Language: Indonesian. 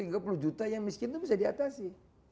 rp tiga puluh yang miskin itu bisa diatasi